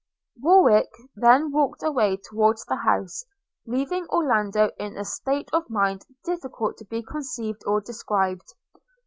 Warwick then walked away towards the house, leaving Orlando in a state of mind difficult to be conceived or described.